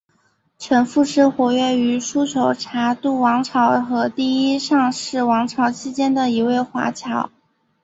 程复是活跃于琉球察度王朝和第一尚氏王朝期间的一位华侨。